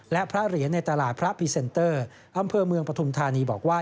และพระเหรียญในตลาดพระพรีเซนเตอร์อำเภอเมืองปฐุมธานีบอกว่า